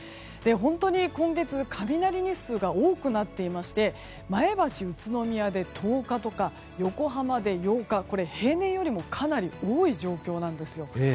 本当に今月雷日数が多くなっていまして前橋、宇都宮で１０日とか横浜で８日平年よりもかなり多い状況です。